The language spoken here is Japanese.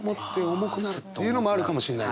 重くなるというのもあるかもしれないね。